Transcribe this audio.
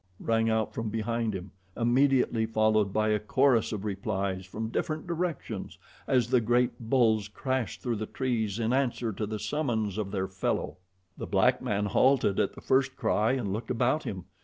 rang out from behind him, immediately followed by a chorus of replies from different directions, as the great bulls crashed through the trees in answer to the summons of their fellow. The black man halted at the first cry and looked about him.